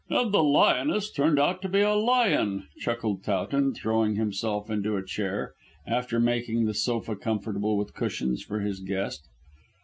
"And the lioness turned out to be a lion," chuckled Towton throwing himself into a chair after making the sofa comfortable with cushions for his guest.